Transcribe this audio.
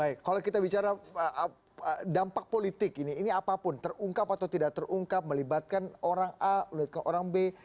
baik kalau kita bicara dampak politik ini ini apapun terungkap atau tidak terungkap melibatkan orang a melibatkan orang b